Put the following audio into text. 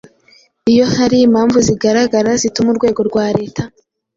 Iyo hari impamvu zigaragara zituma urwego rwa Leta